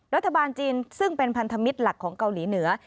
รัฐบาลจีนซึ่งเป็นพันธมิตรหลักของเกาหลีเหนือ